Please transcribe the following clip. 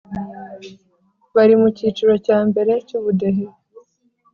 Bari mu kiciro cya mbere cyubudehe